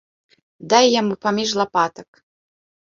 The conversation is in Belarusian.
Дай яму паміж лапатак!